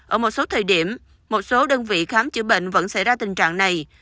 ở một số thời điểm một số đơn vị khám chữa bệnh vẫn xảy ra tình trạng này